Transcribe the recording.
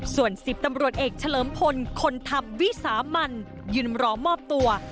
ส่วน๑๐ตำรวจเอกเฉลิมพลคนทำวิสามันยืนรอมอบตัว